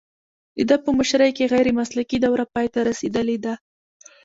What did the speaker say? د ده په مشرۍ کې غیر مسلکي دوره پای ته رسیدلې ده